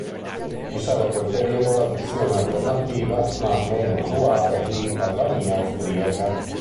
Risale a quel periodo la dizione alternativa, ma meno usuale, di "Albania austriaca".